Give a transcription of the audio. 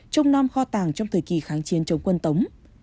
trong năm kho tàng trong thời kỳ kháng chiến chống quân tống